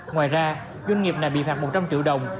ngoài ra doanh nghiệp này bị phạt một trăm linh triệu đồng